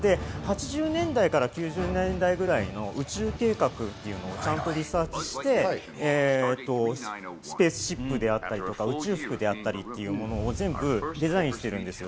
８０年代から９０年代ぐらいの宇宙計画というのもちゃんとリサーチして、スペースシップであったり、宇宙服であったり、全部でデザインしてるんです。